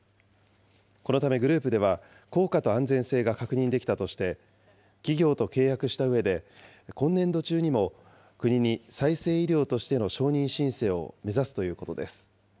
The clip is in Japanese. このためグループでは、効果と安全性が確認できたとして、企業と契約したうえで、今年度中にも国に再生医療としての承認申請を目指すということです。